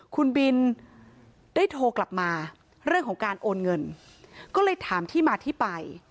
คุณบินได้โทรกลับมาเรื่องของการโอนเงินก็เลยถามที่มาที่ไป